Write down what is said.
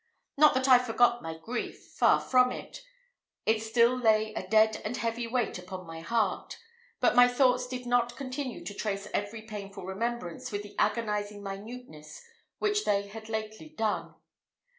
Not that I forgot my grief; far from it. It still lay a dead and heavy weight upon my heart; but my thoughts did not continue to trace every painful remembrance with the agonizing minuteness which they had lately done.